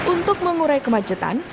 untuk mengurai kemacetan